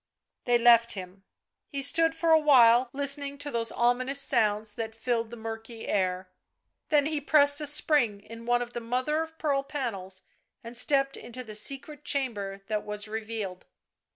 They left him; he stood for a while listening to those ominous sounds that filled the murky air, then he pressed a spring in one of the mother of pearl panels and stepped into the secret chamber that was revealed.